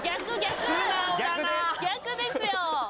逆ですよ。